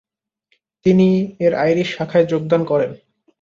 তিনি এর আইরিশ শাখায় যোগদান করেন।